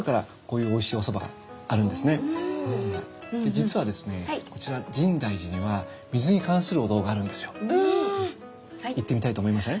実はですねこちら深大寺には行ってみたいと思いません？